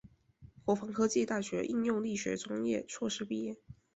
国防科技大学应用力学专业硕士毕业。